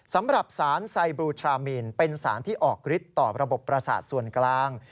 สำหรับสารไซบลูทรามีนเป็นสารที่ออกฤทธิ์ต่อระบบประสาทส่วนกลาง